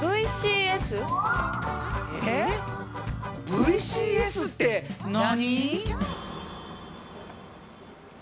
ＶＣＳって何？